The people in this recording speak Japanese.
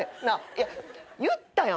いや言ったやん